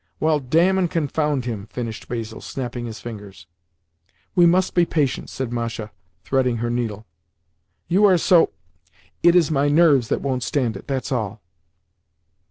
Well, damn and confound him!" finished Basil, snapping his fingers. "We must be patient," said Masha, threading her needle. "You are so—" "It is my nerves that won't stand it, that's all."